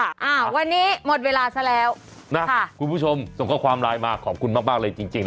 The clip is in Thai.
อ่าวันนี้หมดเวลาซะแล้วนะคุณผู้ชมส่งข้อความไลน์มาขอบคุณมากมากเลยจริงจริง